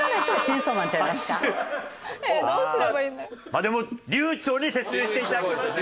まあでも流暢に説明して頂きましたよ。